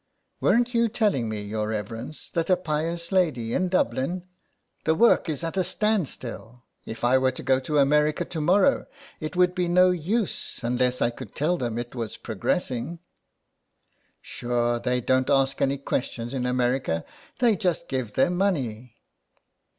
" Weren't you telling me, your reverence, that a pious lady in Dublin —" 98 SOME PARISHIONERS. " The work is at a stand still. If I were to go to America to morrow it would be no use unless I could tell them it was progressing." " Sure they don't ask any questions in America, they just give their money."